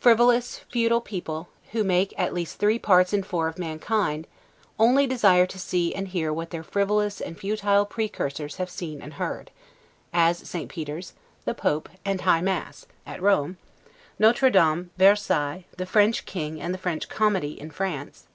Frivolous, futile people, who make at least three parts in four of mankind, only desire to see and hear what their frivolous and futile precursors have seen and heard: as St. Peter's, the Pope, and High Mass, at Rome; Notre Dame, Versailles, the French King, and the French Comedy, in France.